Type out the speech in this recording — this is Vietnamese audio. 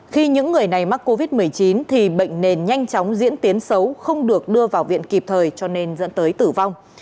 khi những người này mắc covid một mươi chín thì bệnh nền nhanh chóng diễn tiến xấu không được đưa vào viện kịp thời cho nên dẫn tới tử vong